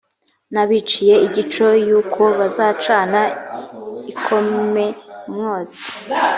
n abaciye igico yuko bazacana ikome umwotsi